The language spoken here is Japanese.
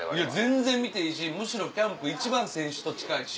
全然見ていいしむしろキャンプ一番選手と近いし。